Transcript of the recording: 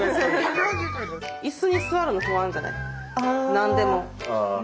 何でも。